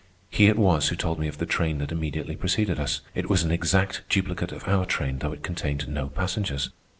He it was who told me of the train that immediately preceded us. It was an exact duplicate of our train, though it contained no passengers.